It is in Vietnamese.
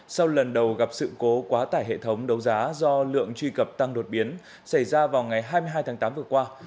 sau lần đầu gặp sự cố quá tải hệ thống đấu giá do lượng truy cập tăng đột biến xảy ra vào ngày hai mươi hai tháng tám vừa qua